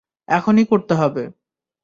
এখনই করতে হবে।